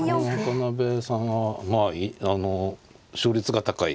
渡辺さんはまああの勝率が高い。